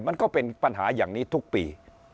มันก็เป็นปัญหาอย่างนี้ทุกปี